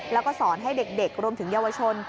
แล้วก็สอนให้เด็กรวมถึงเยาวชน